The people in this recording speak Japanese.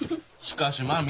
しかしまあ